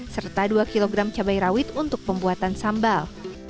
serta dua kg cabai rawit untuk pembuatan sambal